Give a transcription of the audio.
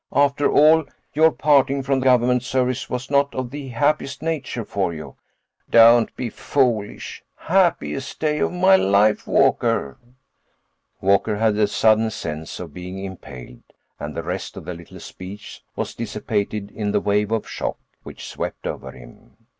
After all, your parting from government service was not of the happiest nature for you—" "Don't be foolish. Happiest day of my life, Walker." Walker had a sudden sense of being impaled, and the rest of the little speech was dissipated in the wave of shock which swept over him.